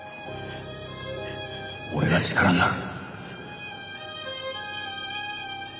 俺が力になる。